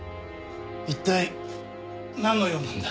一体なんの用なんだ？